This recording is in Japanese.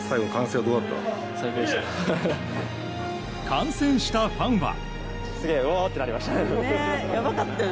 観戦したファンは。